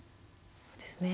そうですね。